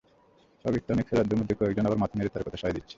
পাকিস্তানের খেলোয়াড়দের মধ্যে কয়েকজন আবার মাথা নেড়ে তাঁর কথায় সায় দিচ্ছেন।